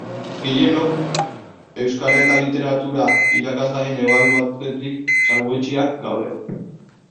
Gehienok Euskara eta Literatura irakasgaian ebaluatzetik salbuetsiak gaude.